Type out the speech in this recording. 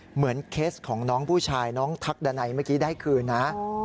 เหมือนเคสของน้องผู้ชายน้องทักดันัยเมื่อกี้ได้คืนนะ